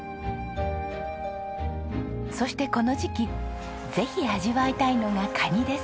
そしてこの時期ぜひ味わいたいのがカニです。